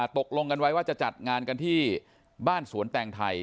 ตกลงกันไว้ว่าจะจัดงานกันที่บ้านสวนแตงไทย